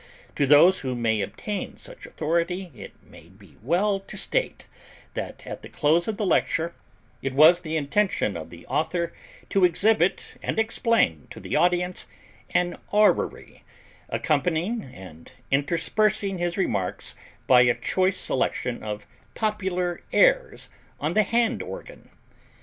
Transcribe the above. To those who may obtain such authority, it may be well to state that at the close of the Lecture it was the intention of the author to exhibit and explain to the audience an orrery, accompanying and interspersing his remarks by a choice selection of popular airs on the hand organ.